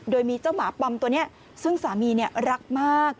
โดยมีเจ้าหมาปอมตัวนี้ซึ่งสามีรักมาก